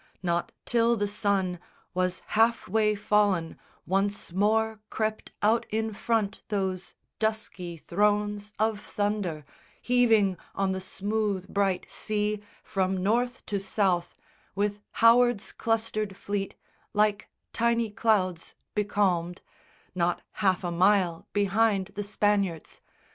Not till the sun was half way fallen Once more crept out in front those dusky thrones Of thunder, heaving on the smooth bright sea From North to South with Howard's clustered fleet Like tiny clouds, becalmed, not half a mile Behind the Spaniards.